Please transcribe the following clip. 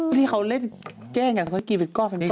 พอที่เขาเล่นแก้งกันเขากินเป็นกล้อมเป็นกล้อม